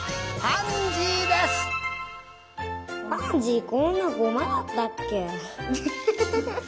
パンジーこんなごまだったっけ。